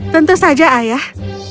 tentu saja ayah